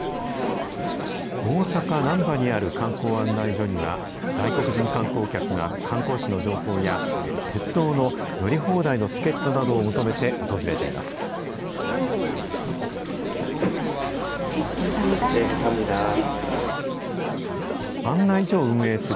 大阪・難波にある観光案内所には、外国人観光客が観光地の情報や、鉄道の乗り放題のチケットなどを求めて訪れています。